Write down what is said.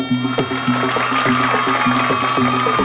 สวัสดีครับ